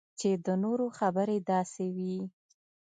چې د نورو خبرې داسې وي